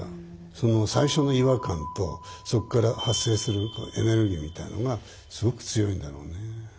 その最初の違和感とそっから発生するエネルギーみたいなのがすごく強いんだろうね。